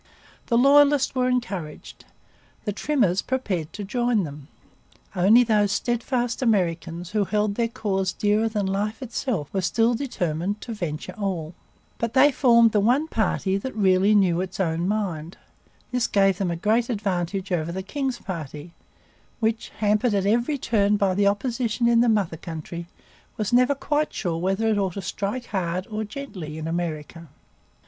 The Loyalists were encouraged. The trimmers prepared to join them. Only those steadfast Americans who held their cause dearer than life itself were still determined to venture all. But they formed the one party that really knew its own mind. This gave them a great advantage over the king's party, which, hampered at every turn by the opposition in the mother country, was never quite sure whether it ought to strike hard or gently in America.